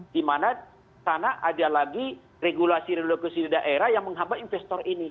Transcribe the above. di mana sana ada lagi regulasi regulasi di daerah yang menghambat investor ini